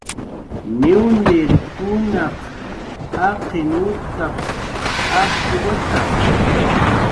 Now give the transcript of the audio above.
"Niwniekunaq jaqin utap"" apshuwata"